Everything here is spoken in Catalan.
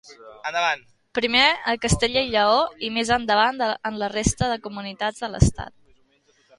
Primer a Castella i Lleó i més endavant en la resta de comunitats de l'estat.